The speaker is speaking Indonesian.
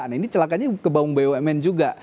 nah ini celakanya ke baung bumn juga